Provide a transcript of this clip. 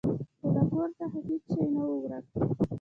خو له کور څخه هیڅ شی نه و ورک.